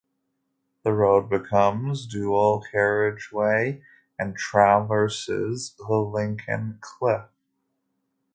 The road becomes dual carriageway and traverses the Lincoln Cliff.